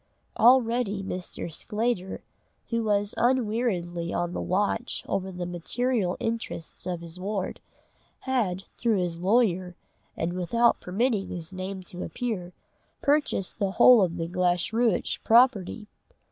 Already Mr. Sclater, who was unweariedly on the watch over the material interests of his ward, had, through his lawyer, and without permitting his name to appear, purchased the whole of the Glashruach property.